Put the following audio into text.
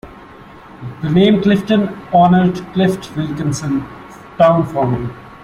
The name Clifton honored Clift Wilkinson, town founder.